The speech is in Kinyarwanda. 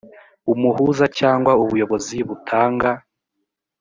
umuhuza cyangwa ubuyobozi butanga